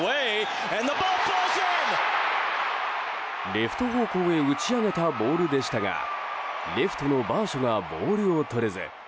レフト方向へ打ち上げたボールでしたがレフトのバーショがボールをとれず。